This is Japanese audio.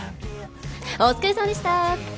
お疲れさまでした！